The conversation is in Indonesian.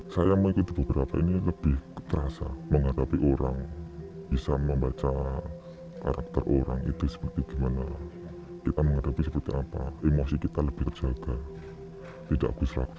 saya mengikuti beberapa ini lebih terasa menghadapi orang bisa membaca karakter orang itu seperti gimana kita menghadapi seperti apa emosi kita lebih terjaga tidak bisa